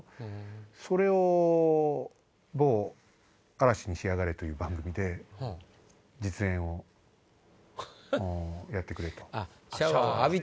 それを某『嵐にしやがれ』という番組で実演をやってくれと。